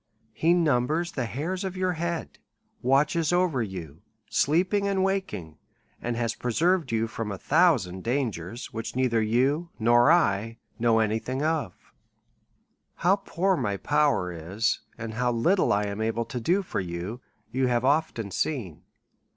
He num bers the hairs of your head, watches over you sleeping and waking, and has preserved you from a thousand dangers, which neither you nor I know any thing of. llow poor my power is, and how little I am able to do for you, you have often seen.